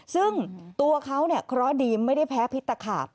ซึ่งตัวเขาเนี่ยเคราะห์ดีไม่ได้แพ้พิษตะขาบ